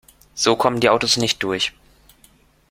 So kommen die Autos nicht durch.